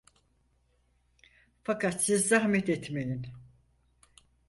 Fakat siz zahmet etmeyin!